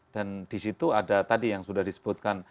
dan di situ ada tadi yang sudah disebutkan